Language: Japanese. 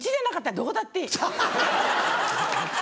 どこだっていい。